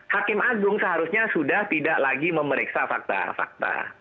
hakim agung seharusnya sudah tidak lagi memeriksa fakta fakta